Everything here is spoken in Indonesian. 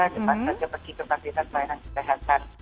cepat saja pergi ke fasilitas layanan kita sehat kan